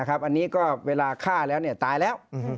อันนี้ก็เวลาฆ่าแล้วตายแล้ว